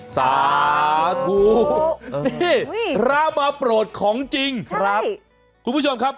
สาธุนี่พระมาโปรดของจริงครับคุณผู้ชมครับ